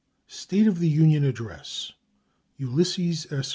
45 State of the Union Address Ulysses S.